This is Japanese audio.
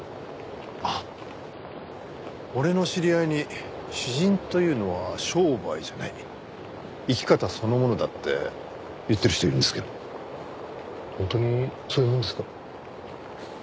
あっ俺の知り合いに詩人というのは商売じゃない生き方そのものだって言ってる人いるんですけど本当にそういうものですか？